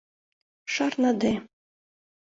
Шарныде.